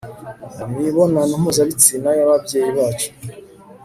mu mibonano mpuzabitsina y'ababyeyi bacu